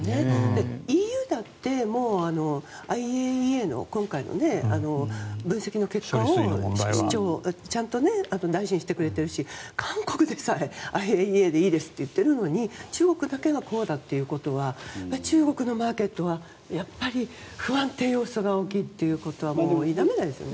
ＥＵだってＩＡＥＡの今回の分析の結果をちゃんと大事にしてくれているし韓国でさえ、ＩＡＥＡでいいですと言っているのに中国だけがこうだっていうことは中国のマーケットはやっぱり不安定要素が大きいということは否めないですね。